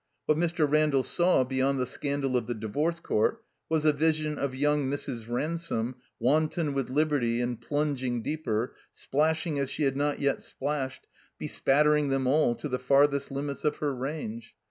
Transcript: What Mr. Randall saw beyond the scandal of the Divorce Court was a vision of yotmg Mrs. Ransome, wanton with liberty and plunging deeper, splashing as she had not yet splashed, bespattering them all to the farthest Em its of her range.